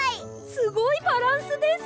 すごいバランスです。